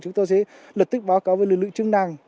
chúng tôi sẽ lực tích báo cáo về lực lượng chứng năng